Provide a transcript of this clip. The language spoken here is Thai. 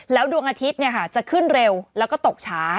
ดวงอาทิตย์จะขึ้นเร็วแล้วก็ตกช้า